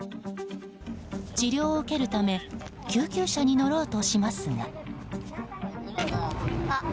治療を受けるため救急車に乗ろうとしますが。